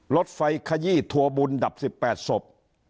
รถไฟขยี้ทัวร์บุญดับ๑๘ศพ